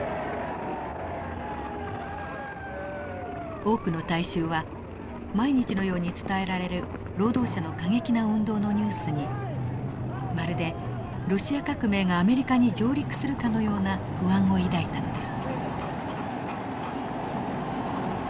多くの大衆は毎日のように伝えられる労働者の過激な運動のニュースにまるでロシア革命がアメリカに上陸するかのような不安を抱いたのです。